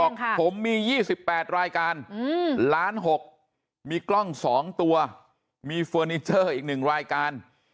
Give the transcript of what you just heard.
บอกผมมี๒๘รายการล้าน๖มีกล้อง๒ตัวมีเฟอร์นิเจอร์อีก๑รายการ